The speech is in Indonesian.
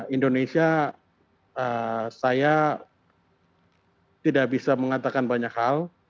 indonesia saya tidak bisa mengatakan banyak hal